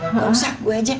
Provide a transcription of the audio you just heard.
gak usah gue aja